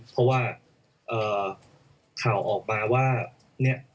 เพราะว่าข่าวออกมาว่าเนี่ย